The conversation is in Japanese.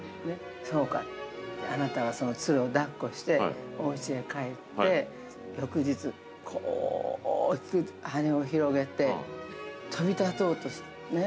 「そうか」とあなたはそのツルをだっこしておうちへ帰って、翌日こう大きく羽を広げて飛び立とうとね。